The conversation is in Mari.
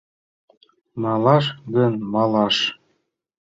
— Малаш гын, малаш.,.